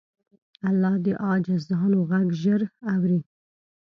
الله د عاجزانو غږ ژر اوري.